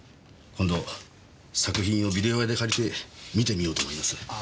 今度作品をビデオ屋で借りて観てみようと思います。